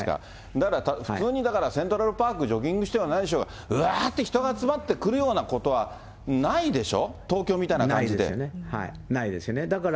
だから、普通に、だから、セントラルパークジョギングしてようが何してようが、うわって人が集まってくるようなことはないでしょ？